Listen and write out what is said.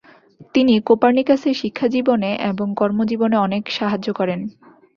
তিনি কোপার্নিকাসের শিক্ষাজীবনে এবং কর্মজীবনে অনেক সাহায্য করেন।